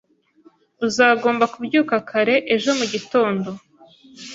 Uzagomba kubyuka kare ejo mugitondo.